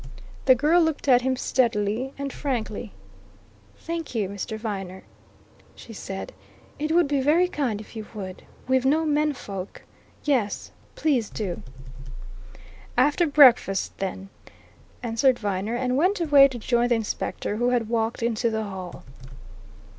The girl looked at him steadily and frankly. "Thank you, Mr. Viner," she said. "It would be very kind if you would. We've no men folk yes, please do." "After breakfast, then," answered Viner, and went away to join the Inspector, who had walked into the hall.